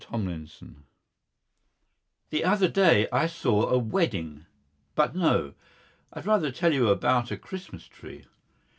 DOSTOYEVSKY The other day I saw a wedding... But no! I would rather tell you about a Christmas tree.